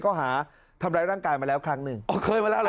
ก็หาทำร้ายร่างกายมาแล้วครั้งที